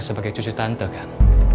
sebagai cucu tante kan